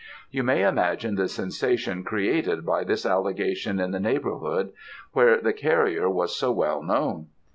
"You may imagine the sensation created by this allegation in the neighbourhood, where the carrier was so well known.